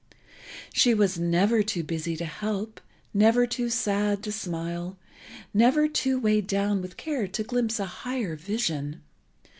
She was never too busy to help, never too sad to smile, never too weighed down with care to glimpse a higher vision.